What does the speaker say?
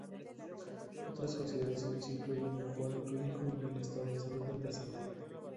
Otras consideraciones incluyen el cuadro clínico y el estado de salud del paciente.